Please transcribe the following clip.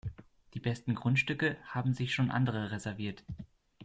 Die besten Grundstücke haben sich schon andere reserviert.